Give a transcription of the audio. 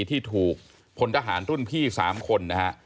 ที่ถูกพลทหารรุ่นพี่๓คนนะฮะ